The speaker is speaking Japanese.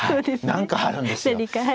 何かあるんですよ。